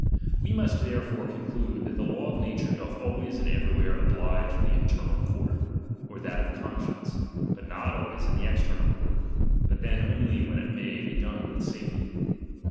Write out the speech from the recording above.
We must therefore conclude, that the law of nature doth always and everywhere oblige in the internal court, or that of conscience ; but not always in the external court, but then only when it may be done with safety.